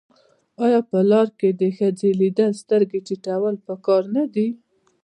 آیا په لار کې د ښځې لیدل سترګې ټیټول پکار نه دي؟